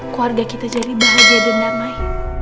keluarga kita jadi bahagia dan damai